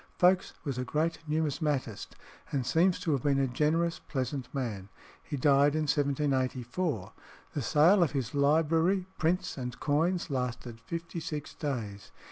Folkes was a great numismatist, and seems to have been a generous, pleasant man. He died in 1784. The sale of his library, prints, and coins lasted fifty six days.